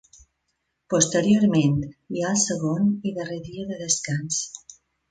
Posteriorment hi ha el segon i darrer dia de descans.